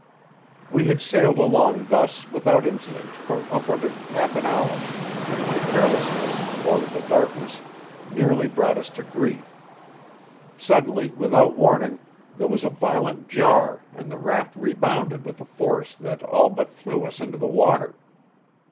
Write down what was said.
We had sailed along thus without incident for upward of half an hour, when my carelessness, or the darkness, nearly brought us to grief. Suddenly, without warning, there was a violent jar and the raft rebounded with a force that all but threw us into the water.